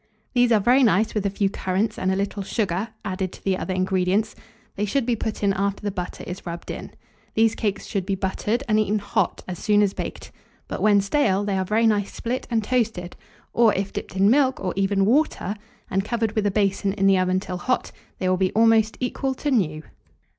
These are very nice with a few currants and a little sugar added to the other ingredients: they should be put in after the butter is rubbed in. These cakes should be buttered, and eaten hot as soon as baked; but, when stale, they are very nice split and toasted; or, if dipped in milk, or even water, and covered with a basin in the oven till hot, they will be almost equal to new.